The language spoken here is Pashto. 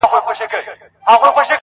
o پوره، ورک دي کړه دوه کوره!